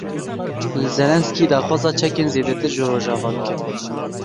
Zelensky daxwaza çekên zêdetir ji rojava dike.